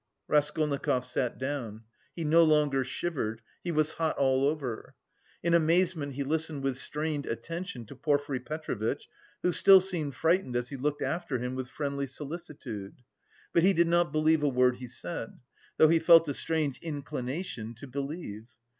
Raskolnikov sat down; he no longer shivered, he was hot all over. In amazement he listened with strained attention to Porfiry Petrovitch who still seemed frightened as he looked after him with friendly solicitude. But he did not believe a word he said, though he felt a strange inclination to believe.